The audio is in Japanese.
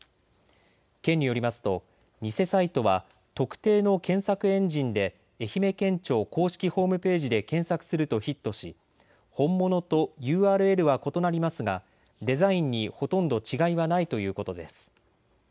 県によりますと偽サイトは特定の検索エンジンで愛媛県庁公式ホームページで検索するとヒットし本物とＵＲＬは異なりますがデザインにほとんど違いはないということです。